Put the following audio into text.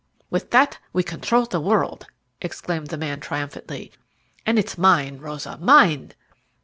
"With that we control the world!" exclaimed the man triumphantly. "And it's mine, Rosa, mine!"